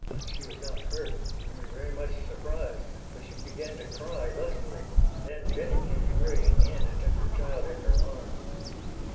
She was not hurt, only very much surprised, but she began to cry lustily, and Aunt Jennie came hurrying in, and took the child in her arms.